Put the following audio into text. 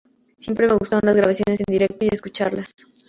Siempre me gustaron las grabaciones en directo y escucharlas.